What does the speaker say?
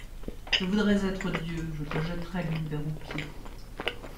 Je voudrais être Dieu, je te jetterais l'univers aux pieds.